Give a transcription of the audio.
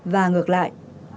và ngược lại